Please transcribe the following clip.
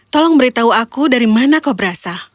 tolong beritahu aku dari mana kau berasal